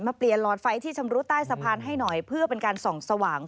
เปลี่ยนหลอดไฟที่ชำรุดใต้สะพานให้หน่อยเพื่อเป็นการส่องสว่าง